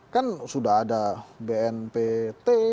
kan sudah ada bnpt